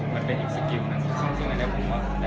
มันเป็นอีกสกิลซึ่งจะได้เฉียบก่อน